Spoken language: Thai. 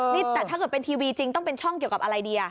นี่แต่ถ้าเกิดเป็นทีวีจริงต้องเป็นช่องเกี่ยวกับอะไรดี